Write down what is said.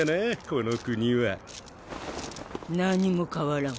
この国は。何も変わらん。